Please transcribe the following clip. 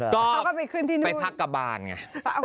เขาก็ไปขึ้นที่นู่่นก็ไปพักกาบานไง